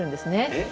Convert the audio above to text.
えっ？